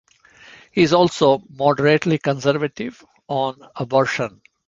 He is also moderately conservative on abortion.